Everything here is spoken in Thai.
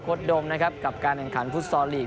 โฆษ์โดมนะครับกับการอันขันฟุตสอลลีก